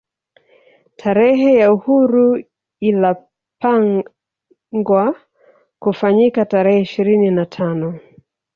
Tarehe ya uhuru ilapangwa kufanyika tarehe ishirini na tano